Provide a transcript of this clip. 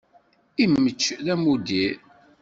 Imečč d amuddir.